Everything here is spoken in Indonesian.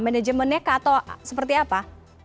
manajemennya seperti apa